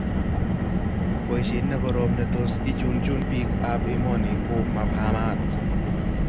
Boishet nekoroom netos ichunchun bik ab emoni ko mavhamat